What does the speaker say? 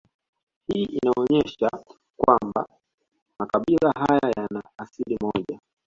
Hii inaonesha kwamba makabila haya yana asili moja